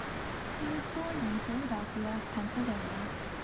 He was born in Philadelphia, Pennsylvania.